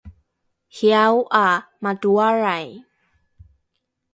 hiao ’a matoalrai